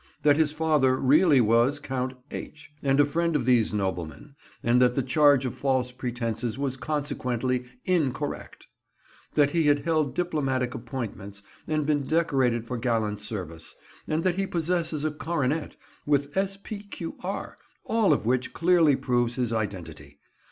That his father really was Count H— and a friend of these noblemen, and that the charge of false pretences was consequently incorrect. That he had held diplomatic appointments, and been decorated for gallant service, and that he possesses a coronet with S.P.Q.R., all of which clearly proves his identity.